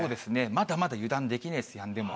まだまだ油断できないです、やんでも。